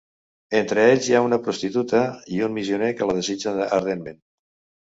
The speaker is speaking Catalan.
Entre ells hi ha una prostituta i un missioner que la desitja ardentment.